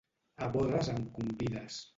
A bodes em convides.